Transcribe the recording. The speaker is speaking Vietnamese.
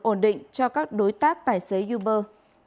ổn định cho các đối tác tài xế uber